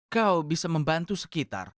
kau bisa membantu sekitar